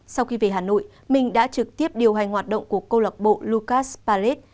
sau khi về hà nội mình đã trực tiếp điều hành hoạt động của cô lọc bộ lucas pallet